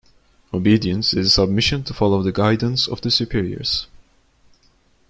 Obedience is a submission to follow the guidance of the superiors.